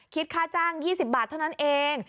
คิดค่าจ้าง๒๐บาทเท่านั้นเอง